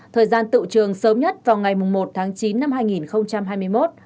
thời gian tự trường sớm nhất vào ngày một tháng chín năm hai nghìn hai mươi một